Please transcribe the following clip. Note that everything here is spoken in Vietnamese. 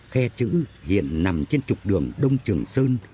khe chữ hiện nằm trên trục đường đông trường sơn